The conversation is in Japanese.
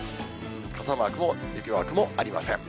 傘マークも雪マークもありません。